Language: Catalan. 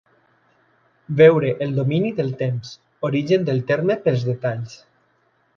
Veure el domini del temps: origen del terme pels detalls.